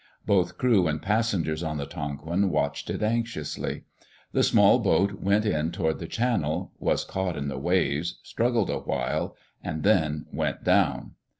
Both crew and passengers on the Tonquin watched it anxiously. The small boat went in toward the channel, was caught in the waves, struggled awhile, and then went down.